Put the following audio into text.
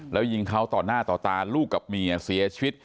แล้วยิงเขาต่อหน้าต่อตาลูกกับเมียเสียชีวิต